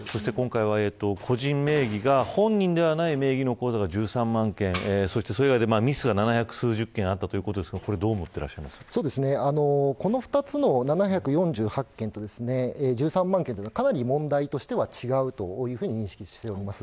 今回は個人名義が本人ではない名義の口座が１３万件そして、ミスが７００数十件あったということですがこの２つの７４８件と１３万件は、かなり問題としては違うと認識しています。